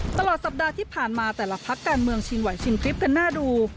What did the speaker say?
ตลอดสัปดาห์ที่ผ่านมาแต่ละพักการเมืองชินไหวชินคลิปกันน่าดู